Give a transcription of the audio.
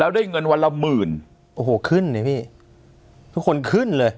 ได้เงินวันละหมื่นโอ้โหขึ้นดิพี่ทุกคนขึ้นเลย